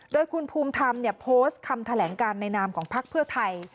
โดยคุณภูมิธรรมโพสต์คำแถลงการในนามของพักเพื่อไทย